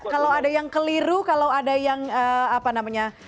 kalau ada yang keliru kalau ada yang apa namanya